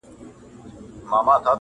هره ورځ یې په لېدلو لکه ګل تازه کېدمه -